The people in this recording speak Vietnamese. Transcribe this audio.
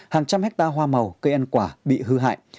hàng trăm hectare hoa màu cây ăn quả bị hư hại